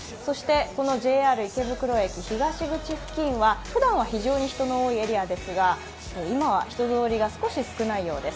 ＪＲ池袋駅東口付近はふだんは非常に人の多いエリアですが、今は人通りが少し少ないようです。